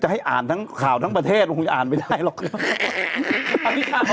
จะให้อ่านทั้งข่าวทั้งประเทศมันคงจะอ่านไม่ได้หรอกอันนี้ค่ะ